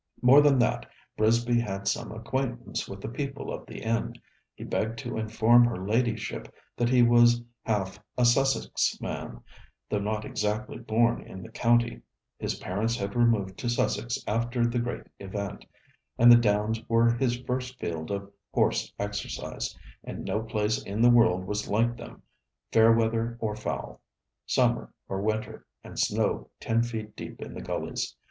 More than that, Brisby had some acquaintance with the people of the inn. He begged to inform her ladyship that he was half a Sussex man, though not exactly born in the county; his parents had removed to Sussex after the great event; and the Downs were his first field of horse exercise, and no place in the world was like them, fair weather or foul, Summer or Winter, and snow ten feet deep in the gullies.